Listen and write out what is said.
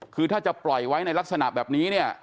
คือถ้าจะปล่อยไว้ในลักษณะแบบนี้เนี่ย